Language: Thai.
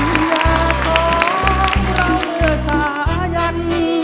เราเหลือสายัน